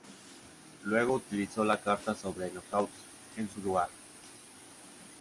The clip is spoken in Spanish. Luego utilizó la carta sobre Knockout en su lugar.